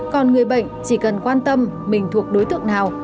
còn người bệnh chỉ cần quan tâm mình thuộc đối tượng nào